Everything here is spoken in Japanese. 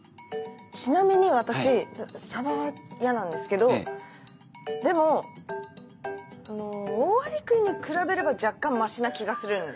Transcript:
ちなみに私サバは嫌なんですけどでもオオアリクイに比べれば若干マシな気がするんですね。